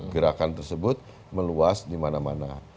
gerakan tersebut meluas dimana mana